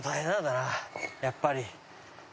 やっぱり。